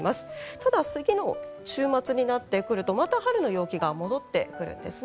ただ、次の週末になってくるとまた春の陽気が戻ってくるんですね。